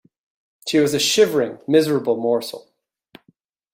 She was a shivering, miserable morsel.